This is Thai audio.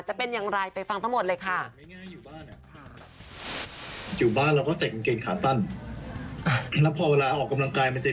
จะเป็นอย่างไรไปฟังทั้งหมดเลยค่ะ